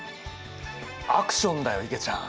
アクションだよいげちゃん。